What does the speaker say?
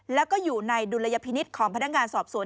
แล้วก็อยู่ในดุลยพินิษฐ์ของพนักงานสอบสวน